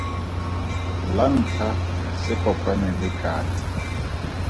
La ntlha se kopane le katse.